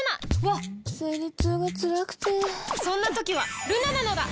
わっ生理痛がつらくてそんな時はルナなのだ！